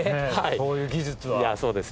そういう技術は。